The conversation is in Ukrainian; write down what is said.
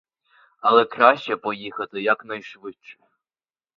Але краще поїхати якнайшвидше.